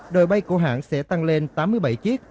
đời bay của hãng sẽ tăng lên tám mươi bảy chiếc